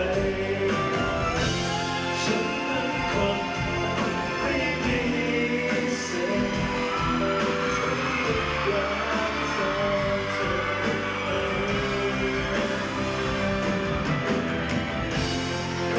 เมื่อฉันมีความรักเท่าเธอไหม